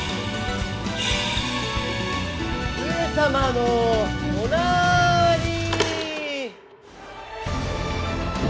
上様のおなーりー！